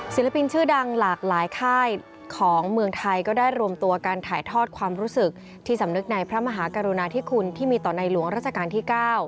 ศิลปินชื่อดังหลากหลายค่ายของเมืองไทยก็ได้รวมตัวการถ่ายทอดความรู้สึกที่สำนึกในพระมหากรุณาธิคุณที่มีต่อในหลวงราชการที่๙